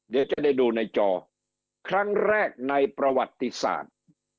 เดี๋ยวจะได้ดูในจอครั้งแรกในประวัติศาสตร์